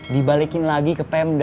dibalikin lagi ke pemda